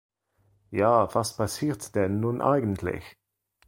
Ja, was passiert denn nun eigentlich?